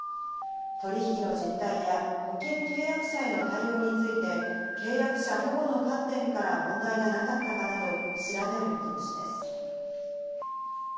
取引の実態や保険契約者への対応について、契約者保護の観点から問題がなかったかなど調べる見通しです。